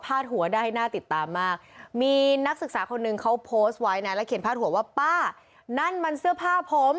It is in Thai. หัวได้น่าติดตามมากมีนักศึกษาคนหนึ่งเขาโพสต์ไว้นะแล้วเขียนพาดหัวว่าป้านั่นมันเสื้อผ้าผม